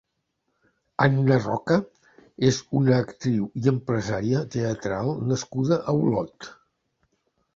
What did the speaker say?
Anna Roca és una actriu i empresària teatral nascuda a Olot.